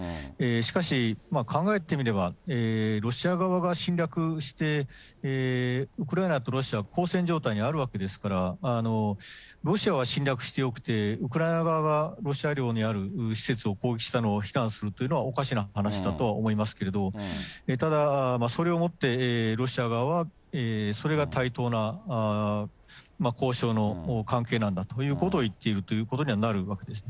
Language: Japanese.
しかし、考えてみれば、ロシア側が侵略して、ウクライナとロシア、交戦状態にあるわけですから、ロシアは侵略してよくて、ウクライナ側がロシア領にある施設を攻撃したのを非難するというのはおかしな話だとは思いますけど、ただ、それをもって、ロシア側はそれが対等な交渉の関係なんだということを言っているということにはなるわけです。